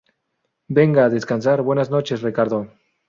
venga, a descansar. buenas noches, Ricardo.